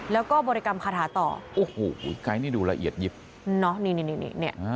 แล้วก็บริกรรมคาถาต่อโอ้โหไกด์นี่ดูละเอียดยิบเนอะนี่นี่